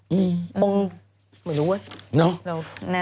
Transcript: อืมมันรู้ไว้